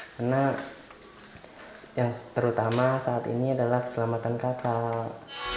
karena yang terutama saat ini adalah keselamatan kakak